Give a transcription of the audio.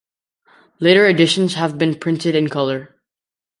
Later editions have been printed in colour.